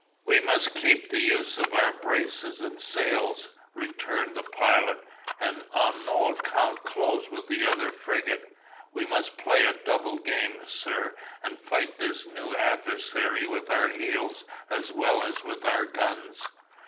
"We must keep the use of our braces and sails," returned the Pilot, "and on no account close with the other frigate; we must play a double game, sir, and fight this new adversary with our heels as well as with our guns."